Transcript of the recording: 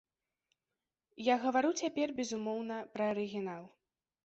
Я гавару цяпер, безумоўна, пра арыгінал.